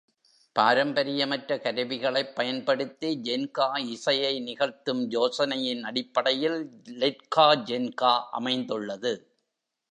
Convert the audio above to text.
பாரம்பரியமற்ற கருவிகளைப் பயன்படுத்தி ஜென்க்கா இசையை நிகழ்த்தும் யோசனையின் அடிப்படையில் லெட்காஜென்க்கா அமைந்துள்ளது.